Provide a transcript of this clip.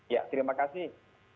ya terima kasih